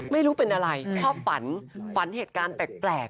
ไม่รู้เป็นอะไรชอบฝันฝันเหตุการณ์แปลก